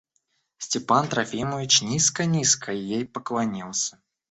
Степан Трофимович низко, низко ей поклонился.